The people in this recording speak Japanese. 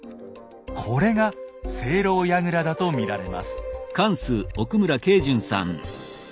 これが井楼やぐらだと見られます。